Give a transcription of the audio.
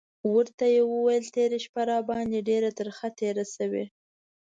ورته یې وویل: تېره شپه راباندې ډېره ترخه تېره شوې.